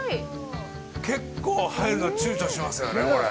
結構入るのちゅうちょしますよね、これ。